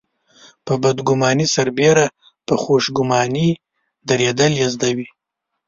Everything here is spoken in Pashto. په بدګماني سربېره په خوشګماني درېدل يې زده وي.